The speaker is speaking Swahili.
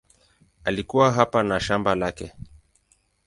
Alikuwa hapa na shamba lake.